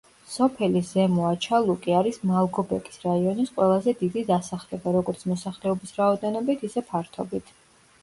სოფელი ზემო აჩალუკი არის მალგობეკის რაიონის ყველაზე დიდი დასახლება, როგორც მოსახლეობის რაოდენობით, ისე ფართობით.